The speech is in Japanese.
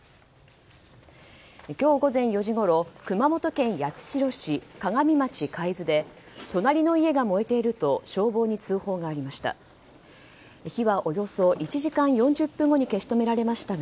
今日午前４時ごろ熊本県八代市鏡町貝洲で隣の家が燃えていると消防に通報がありました。